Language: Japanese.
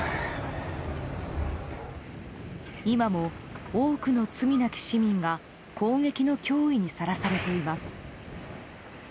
今も多くの罪なき市民が攻撃の脅威にさらされています。